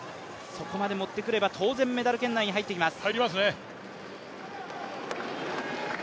そこまでもってくれば、当然、メダル圏内に入ってきます。